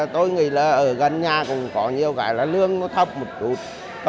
tôi nghĩ là ở gần nhà cũng có nhiều cái là lương nó thấp một chút